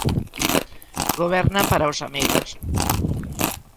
Gobernan para os amigos.